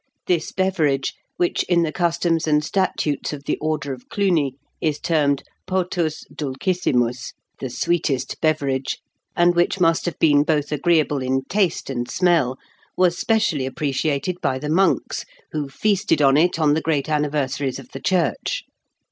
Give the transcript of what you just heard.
This beverage, which in the customs and statutes of the order of Cluny is termed potus dulcissimus (the sweetest beverage), and which must have been both agreeable in taste and smell, was specially appreciated by the monks, who feasted on it on the great anniversaries of the Church.